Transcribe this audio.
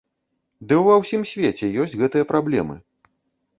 Ды ва ўсім свеце ёсць гэтыя праблемы!